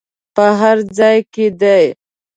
په هر ځای کې دې.